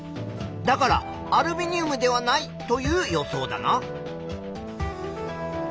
だからアルミニウムではないという予想だな。